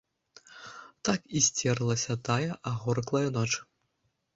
Так і сцерлася тая агорклая ноч.